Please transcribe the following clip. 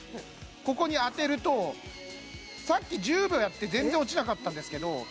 ここに当てるとさっき１０秒やって全然落ちなかったんですけど